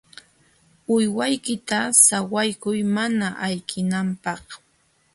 Uywaykita sawaykuy mana ayqinanpaq.